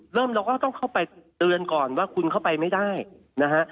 เราก็ต้องเข้าไปเตือนก่อนว่าคุณเข้าไปไม่ได้นะฮะ